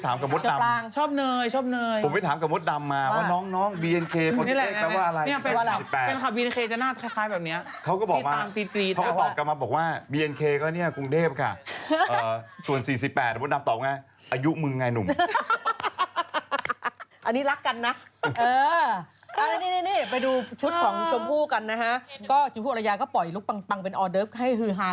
สี่สิบแปดเนี้ยเป็นว่าล่ะเป็นค่ะบีเอ็นเคนี่จะหน้าคล้ายคล้ายแบบเนี้ยเขาก็บอกว่าเขาก็ตอบกันมาบอกว่าบีเอ็นเคก็เนี้ยกรุงเทพค่ะเอ่อส่วนสี่สิบแปดพูดนับตอบไงอายุมึงไงหนุ่มอันนี้รักกันนะเออเอานี่นี่นี่นี่ไปดูชุดของชมผู้กันนะฮะก็ชมผู้อรรยายก็ปล่อยลุคปังปังเป็นออเดิร์ฟให้ฮือ